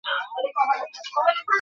কেমন শোনা যাচ্ছে?